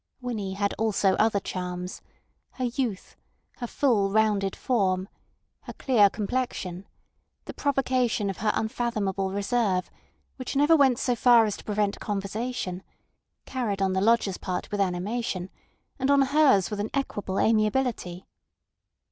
Winnie had also other charms: her youth; her full, rounded form; her clear complexion; the provocation of her unfathomable reserve, which never went so far as to prevent conversation, carried on on the lodgers' part with animation, and on hers with an equable amiability.